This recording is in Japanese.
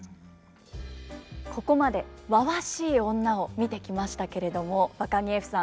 ここまでわわしい女を見てきましたけれどもわかぎゑふさん